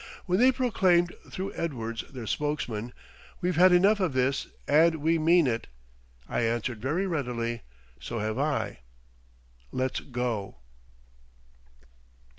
When they proclaimed, through Edwards, their spokesman, "We've had enough of this, and we mean it," I answered very readily, "So have I. Let's go."